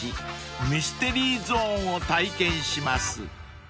［ミステリーゾーンを体験します］